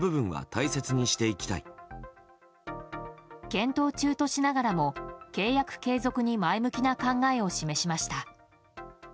検討中としながらも契約継続に前向きな考えを示しました。